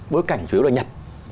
bối cảnh chủ yếu là nhật